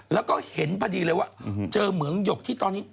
แล้วก็เห็นพอดีเลยว่าเจอเหมืองหยกที่ตอนนี้